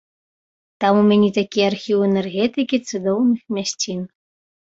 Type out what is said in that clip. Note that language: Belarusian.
Там у мяне такі архіў энергетыкі цудоўных мясцін.